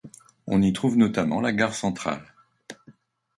On y trouve notamment la gare centrale.